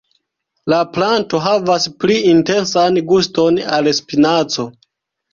La planto havas pli intensan guston al spinaco.